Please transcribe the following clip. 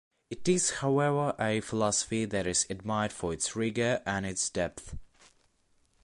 It is however a philosophy that is admired for its "rigor" and its "depth".